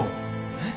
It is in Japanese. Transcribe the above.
えっ？